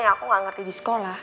aku gak ngerti di sekolah